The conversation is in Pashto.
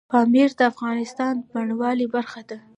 پامیر د افغانستان د بڼوالۍ برخه ده.